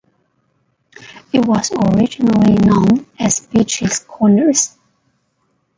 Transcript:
It was originally known as Beach's Corners.